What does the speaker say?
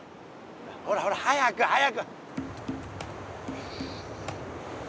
ほらほら早く早く！